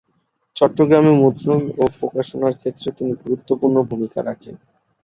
চট্টগ্রামে মুদ্রণ ও প্রকাশনার ক্ষেত্রে তিনি গুরুত্বপূর্ণ ভূমিকা রাখেন।